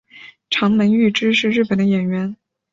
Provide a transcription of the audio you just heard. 长门裕之是日本的演员。